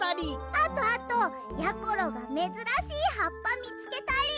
あとあとやころがめずらしいはっぱみつけたり！